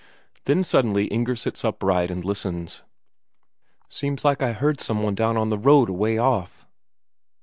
Then suddenly Inger sits upright and listens: "Seems like I heard some one down on the road away off?"